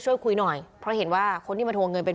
ช่วยคุยหน่อยเพราะเห็นว่าคนที่มาทวงเงินเป็น